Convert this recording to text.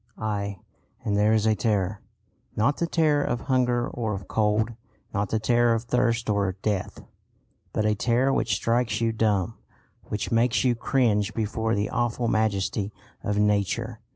Aye, and there is a terror not the terror of hunger or of cold, not the terror of thirst or death, but a terror which strikes you dumb, which makes you cringe before the awful majesty of Nature.